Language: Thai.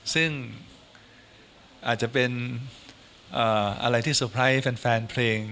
ซึ่งอาจจะเป็นอะไรที่สุดท้ายให้แฟนเพลง